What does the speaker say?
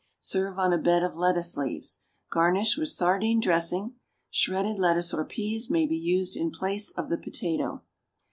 Serve on a bed of lettuce leaves. Garnish with sardine dressing. Shredded lettuce or peas may be used in place of the potato.